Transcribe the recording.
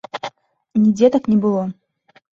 Нідзе так не было.